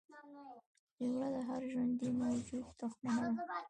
جګړه د هر ژوندي موجود دښمنه ده